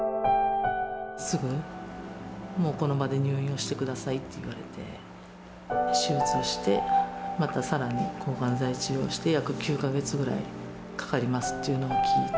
すぐもうこの場で入院をしてくださいって言われて、手術して、またさらに抗がん剤治療して、約９か月ぐらいかかりますっていうのを聞いて。